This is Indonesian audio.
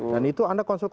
dan itu anda konsolidasi